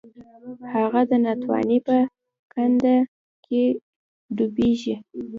هغه د ناتوانۍ په کنده کې ډوبیږي.